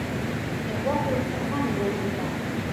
د غوښو څکه مي ونه کړه .